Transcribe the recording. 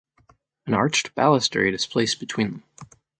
An arched balustrade is placed between them.